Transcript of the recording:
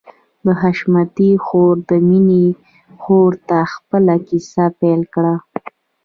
د حشمتي خور د مينې خور ته خپله کيسه پيل کړه.